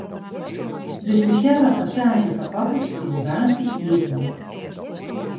De spesjale passaazje foar otters is woansdei iepene.